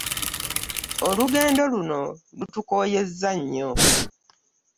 Olugendo luno lutukooyezza nnyo.